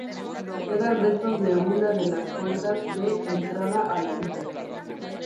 Quedan restos de una de las puertas de entrada a la villa.